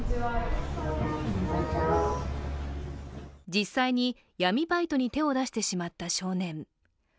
実際に闇バイトに手を出してしまった少年。